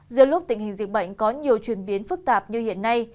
giữa lúc tình hình dịch bệnh có nhiều chuyển biến phức tạp như hiện nay